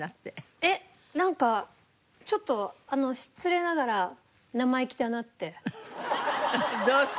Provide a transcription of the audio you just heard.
えっなんかちょっと失礼ながらウフフッどうして？